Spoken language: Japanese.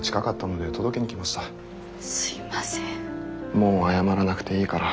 もう謝らなくていいから。